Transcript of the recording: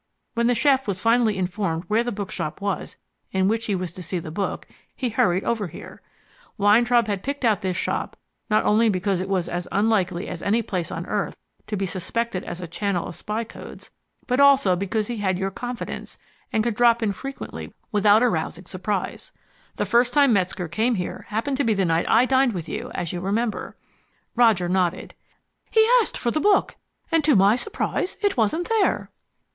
When the chef was finally informed where the bookshop was in which he was to see the book, he hurried over here. Weintraub had picked out this shop not only because it was as unlikely as any place on earth to be suspected as a channel of spy codes, but also because he had your confidence and could drop in frequently without arousing surprise. The first time Metzger came here happened to be the night I dined with you, as you remember." Roger nodded. "He asked for the book, and to my surprise, it wasn't there."